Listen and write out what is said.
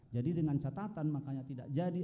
jadi dengan catatan makanya tidak jadi